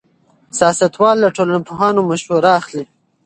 سیاستوال له ټولنپوهانو مشوره اخلي.